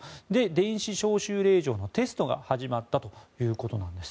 電子招集令状のテストが始まったということなんです。